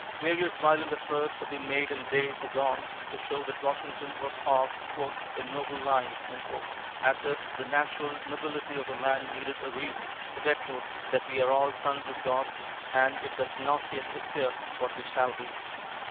Various violent efforts have been made in days agone to show that Washington was of "a noble line" as if the natural nobility of the man needed a reason forgetful that we are all sons of God, and it doth not yet appear what we shall be.